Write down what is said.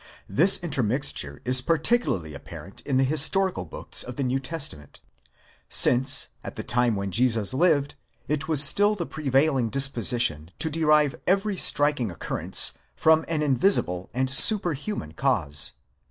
This intermixture is particularly apparent in the historical books of the New Testament ; since at the time when Jesus lived, it was still the prevailing disposition to derive every striking occurrence from an invisible and superhuman cause.